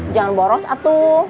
jangan boros atu